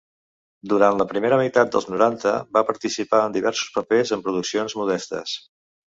Durant la primera meitat dels noranta, va participar en diversos papers en produccions modestes.